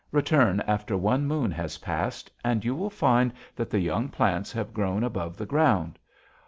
Return after one moon has passed, and you will find that the young plants have grown above the ground.